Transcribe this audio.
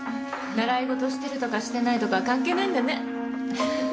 習い事してるとかしてないとか関係ないんだね。